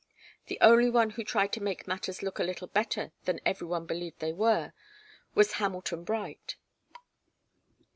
The only one who tried to make matters look a little better than every one believed they were, was Hamilton Bright.